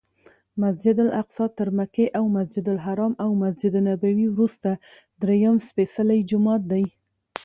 مسجدالاقصی تر مکې او مسجدالحرام او مسجدنبوي وروسته درېیم سپېڅلی جومات دی.